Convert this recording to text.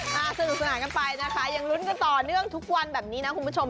สนุกสนานกันไปนะคะยังลุ้นกันต่อเนื่องทุกวันแบบนี้นะคุณผู้ชม